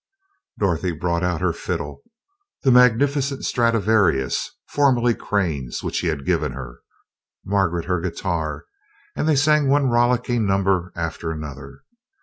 Dorothy brought out her "fiddle" the magnificent Stradivarius, formerly Crane's, which he had given her Margaret her guitar, and they sang one rollicking number after another.